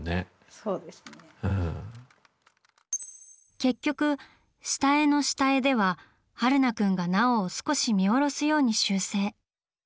結局下絵の下絵では榛名くんが奈緒を少し見下ろすように修正。